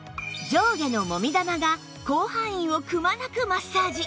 上下のもみ玉が広範囲をくまなくマッサージ